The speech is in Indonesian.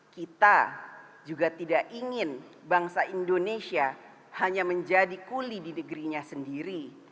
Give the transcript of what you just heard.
kita juga tidak ingin bangsa indonesia hanya menjadi kuli di negerinya sendiri